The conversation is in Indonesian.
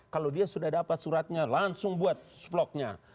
kalau dia sudah dapat suratnya langsung buat vlognya